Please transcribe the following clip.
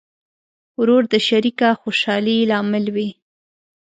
ورور د شریکه خوشحالۍ لامل وي.